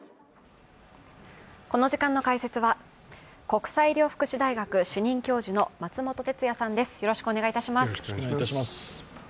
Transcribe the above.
この時間の解説は国際医療福祉大学の主任教授、松本哲哉さんです。